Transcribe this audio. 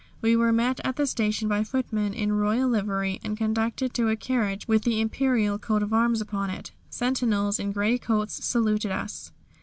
We were met at the station by footmen in royal livery and conducted to a carriage with the Imperial coat of arms upon it. Sentinels in grey coats saluted us.